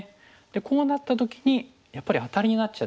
でこうなった時にやっぱりアタリになっちゃうんですね。